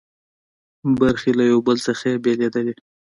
برخې له یو بل څخه بېلېدلې.